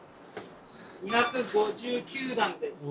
２５９段です。